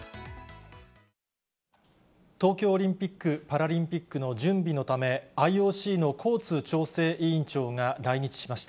東京オリンピック・パラリンピックの準備のため、ＩＯＣのコーツ調整委員長が来日しました。